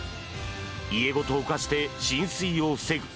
家ごと浮かして浸水を防ぐ